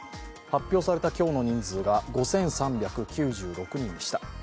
発表された今日の人数が５３９６人でした。